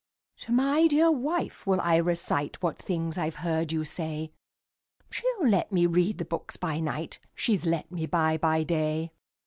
"To my dear wife will I reciteWhat things I 've heard you say; She 'll let me read the books by nightShe 's let me buy by day.